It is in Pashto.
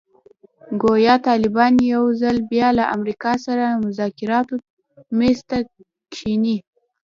ګویا طالبان یو ځل بیا له امریکا سره مذاکراتو میز ته کښېني.